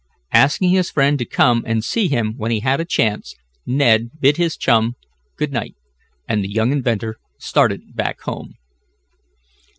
Asking his friend to come and see him when he had a chance. Ned bid his chum good night, and the young inventor started back home.